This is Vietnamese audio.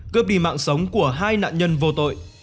cướp đi mạng sống của hai nạn nhân vô tội